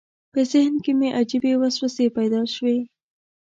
په ذهن کې مې عجیبې وسوسې پیدا شوې.